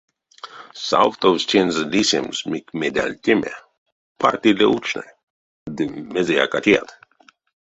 Савтовсь тензэ лисемс мик медальтеме: парт иля учне, ды мезеяк а теят.